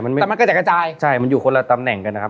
แต่มันกระจัดกระจายใช่มันอยู่คนละตำแหน่งกันนะครับ